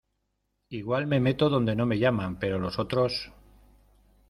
igual me meto donde no me llaman, pero los otros